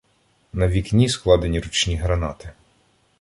На вікні складені ручні гранати.